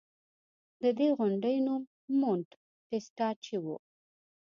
د دې غونډۍ نوم مونټ ټسټاچي و